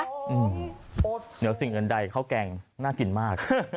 เดี๋ยวสิ่งเงินใดของข้าวแกงน่ากินมาก